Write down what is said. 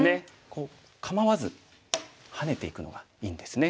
こう構わずハネていくのがいいんですね。